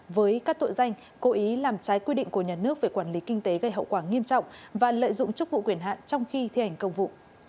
với các tội danh cố ý làm trái quy định của nhà nước về quản lý kinh tế gây hậu quả nghiêm trọng và lợi dụng chức vụ quyền hạn trong khi thi hành công vụ